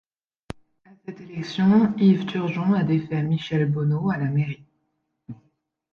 À cette élection, Yves Turgeon a défait Michel Bonneau à la mairie.